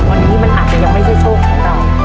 วันนี้มันอาจจะยังไม่ใช่โชคของเรา